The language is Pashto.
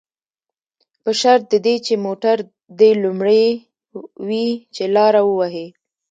په شرط د دې چې موټر دې لومړی وي، چې لاره ووهي.